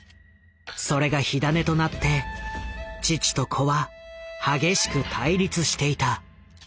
それが火種となって父と子は激しく対立していた。